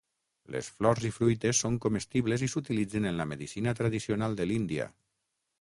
Les flors i fruites són comestibles i s'utilitzen en la medicina tradicional de l'Índia.